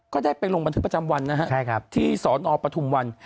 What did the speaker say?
ก็ได้ไปลงบันทึกประจำวันนะครับที่สนปฐุมวัน